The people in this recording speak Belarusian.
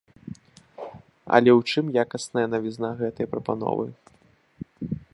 Але ў чым якасная навізна гэтай прапановы?